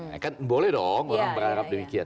ya kan boleh dong orang berharap demikian